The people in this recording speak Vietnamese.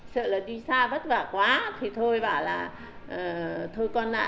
sợ là đi xa bất vả quá thì thôi bảo là thôi con ạ